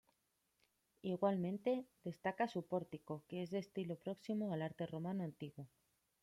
Igualmente, destaca su pórtico que es de estilo próximo al arte romano antiguo.